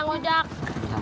nggak ada apa apa